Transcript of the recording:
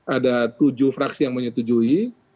ada tujuh fraksi yang menyetujui